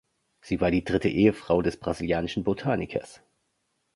Sie war die dritte Ehefrau des brasilianischen Botanikers.